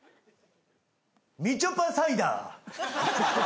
みちょぱサイダー。